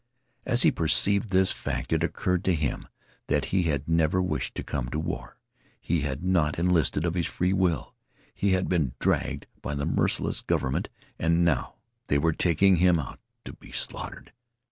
As he perceived this fact it occurred to him that he had never wished to come to the war. He had not enlisted of his free will. He had been dragged by the merciless government. And now they were taking him out to be slaughtered.